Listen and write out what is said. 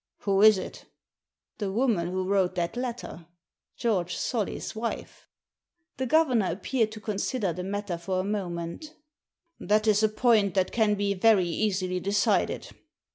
"Who is it?" " The woman who wrote that letter — George Solly's wife." The governor appeared to consider the matter for a moment " That is a point that can be very easily decided.